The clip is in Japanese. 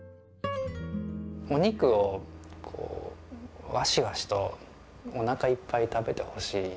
お肉をワシワシとおなかいっぱい食べてほしい。